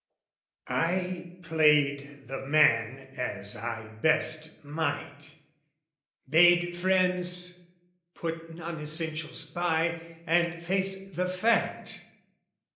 I played the man as I best might, bade friends Put non essentials by and face the fact.